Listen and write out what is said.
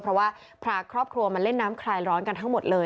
เพราะว่าพาครอบครัวมาเล่นน้ำคลายร้อนกันทั้งหมดเลย